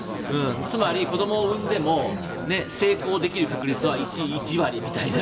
つまり、子供を産んでも成功できる確率は１割みたいな。